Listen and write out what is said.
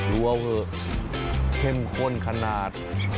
ดูเอาเถอะเข้มข้นขนาด